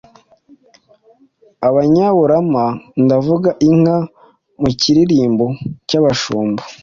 abanyaburama, ndavuga inka mu kiririmbo cy’abashumba,